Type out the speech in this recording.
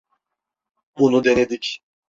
Bunu denedik.